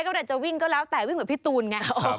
ก็จะวิ่งก็แล้วแต่วิ่งเหมือนพี่ตูนไง